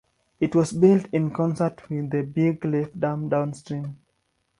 It was built in concert with the Big Cliff Dam downstream.